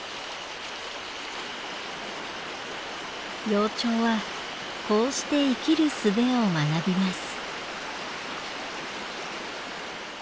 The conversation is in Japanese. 幼鳥はこうして生きる術を学びます。